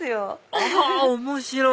あ面白い！